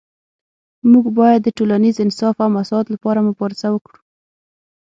موږ باید د ټولنیز انصاف او مساوات لپاره مبارزه وکړو